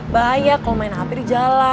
bahaya kalau main api di jalan